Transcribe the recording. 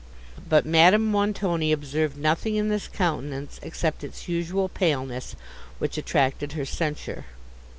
But Madame Montoni observed nothing in this countenance except its usual paleness, which attracted her censure.